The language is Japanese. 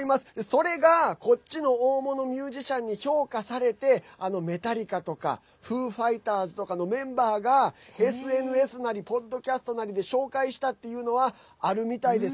それが、こっちの大物ミュージシャンに評価されてメタリカとかフー・ファイターズとかのメンバーがＳＮＳなりポッドキャストなりで紹介したっていうのはあるみたいです。